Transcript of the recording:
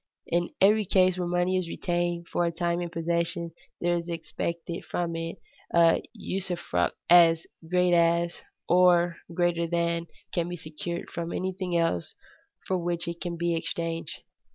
In every case where money is retained for a time in possession, there is expected from it a usufruct as great as, or greater than, can be secured from anything else for which it can be exchanged.